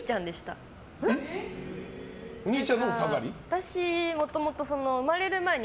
私、もともと生まれる前に